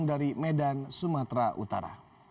terima kasih pak